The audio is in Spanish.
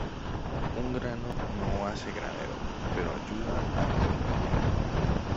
Un grano no hace granero, pero ayuda al compañero.